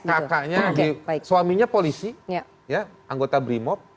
kakaknya suaminya polisi anggota brimop